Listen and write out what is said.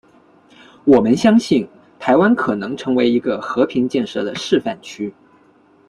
我们相信台湾可能成为一个和平建设的示范区。